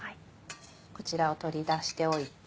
こちらを取り出しておいて。